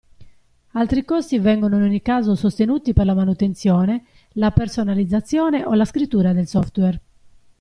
Altri costi vengono in ogni caso sostenuti per la manutenzione, la personalizzazione o la scrittura del software.